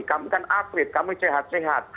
kamu kan akrit kamu sehat sehat